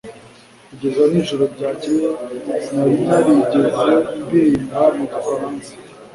Kugeza nijoro ryakeye, sinari narigeze ndirimba mu gifaransa.